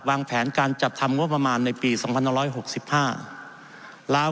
วางแผนการจัดทำงบประมาณในปีสองพันร้อยหกสิบห้าลาว